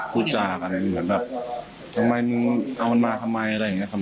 พูดจากันเหมือนแบบเอามันมาทำไมอะไรอย่างเงี้ยครับ